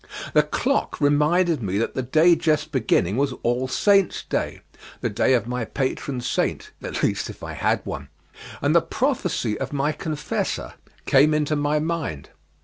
The clock reminded me that the day just beginning was All Saints' Day the day of my patron saint (at least if I had one) and the prophecy of my confessor came into my mind.